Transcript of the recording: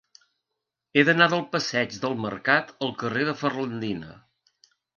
He d'anar del passatge del Mercat al carrer de Ferlandina.